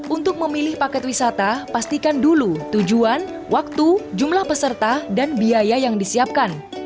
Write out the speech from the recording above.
untuk memilih paket wisata pastikan dulu tujuan waktu jumlah peserta dan biaya yang disiapkan